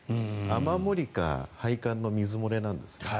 雨漏りか配管の水漏れなんですよね。